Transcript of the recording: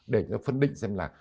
để nó phân định xem là